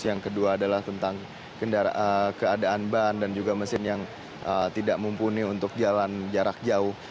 yang kedua adalah tentang keadaan ban dan juga mesin yang tidak mumpuni untuk jalan jarak jauh